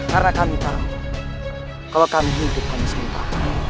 karena kami tahu kalau kami hidup kami semua